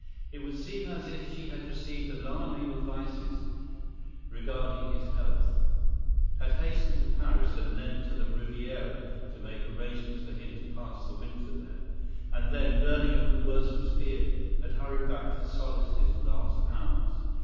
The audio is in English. It would seem as if she had received alarming advices regarding his health; had hastened to Paris and then to the Riviera to make arrangements for him to pass the winter there; and then, learning that the worst was feared, had hurried back to solace his last hours.